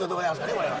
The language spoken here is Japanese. これは。